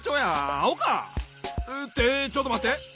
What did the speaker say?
アホか！ってちょっとまって！